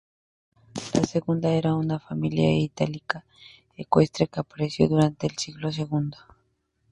La segunda era una familia itálica ecuestre que apareció durante el siglo segundo.